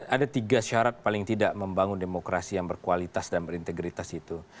ada tiga syarat paling tidak membangun demokrasi yang berkualitas dan berintegritas itu